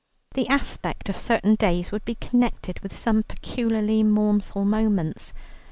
The aspect of certain days would be connected with some peculiarly mournful moments.